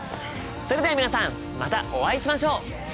それでは皆さんまたお会いしましょう！